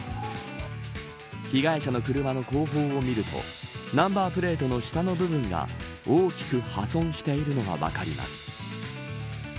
被害者の車の後方を見るとナンバープレートの下の部分が大きく破損しているのが分かります。